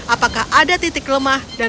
apakah ada titik lemah dan menjaga peri